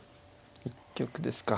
１局ですか。